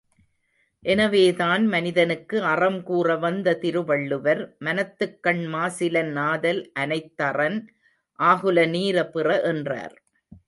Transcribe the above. எனவேதான், மனிதனுக்கு அறம் கூற வந்த திருவள்ளுவர், மனத்துக்கண் மாசிலன் ஆதல் அனைத்தறன் ஆகுல நீர பிற என்றார்.